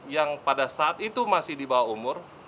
yang pada saat itu masih dibawa umur